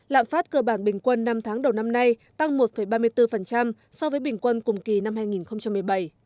lạm phát cơ bản bình quân năm tháng đầu năm nay tăng một ba mươi bốn so với bình quân cùng kỳ năm hai nghìn một mươi bảy